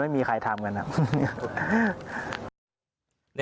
ไม่มีใครทำกันอะ